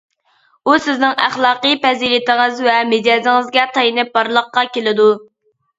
ئۇ سىزنىڭ ئەخلاقىي پەزىلىتىڭىز ۋە مىجەزىڭىزگە تايىنىپ بارلىققا كېلىدۇ.